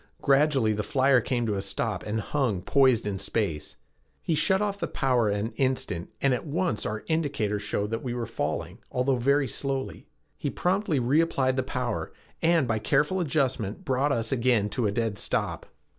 Gradually the flyer came to a stop and hung poised in space. He shut off the power an instant and at once our indicator showed that we were falling, although very slowly. He promptly reapplied the power, and by careful adjustment brought us again to a dead stop.